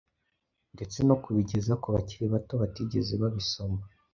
ndetse no kubigeza ku bakiri bato batigeze babisoma.